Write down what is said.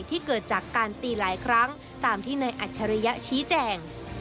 เกิดจากการตีหลายครั้งตามที่นายอัจฉริยะชี้แจ่ง